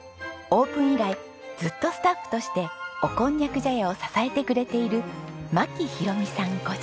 オープン以来ずっとスタッフとしておこんにゃく茶屋を支えてくれている槇木裕美さん